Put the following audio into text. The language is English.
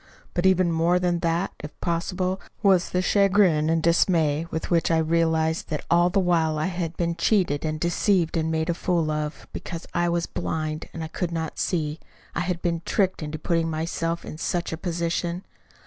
But even more than that, if possible, was the chagrin and dismay with which I realized that all the while I had been cheated and deceived and made a fool of, because I was blind, and could not see. I had been tricked into putting myself in such a position."